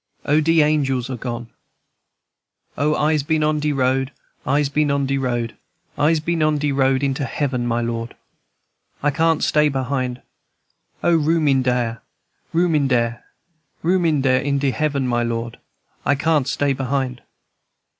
&c. "O, de angels are gone!" &c. "O, I'se been on de road! I'se been on de road! I'se been on de road into heaven, my Lord! I can't stay behind! O, room in dar, room in dar, Room in dar, in de heaven, my Lord! I can't stay behind!